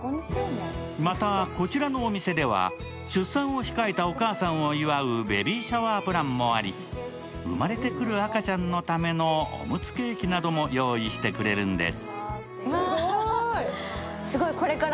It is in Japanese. またこちらのお店では出産を控えたお母さんを祝うベビーシャワープランもあり、生まれてくる赤ちゃんのためのおむつケーキなども用意してくれるんです。